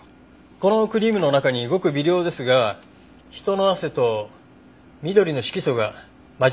このクリームの中にごく微量ですが人の汗と緑の色素が混じっていました。